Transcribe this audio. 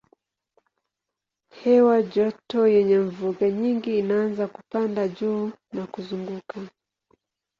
Hewa joto yenye mvuke nyingi inaanza kupanda juu na kuzunguka.